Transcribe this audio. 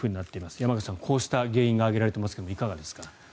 山口さん、こうした原因が挙げられていますかいかがですか？